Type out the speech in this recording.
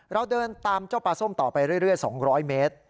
เราเดินตามเจ้าปลาส้มต่อไปเรื่อย๒๐๐เมตร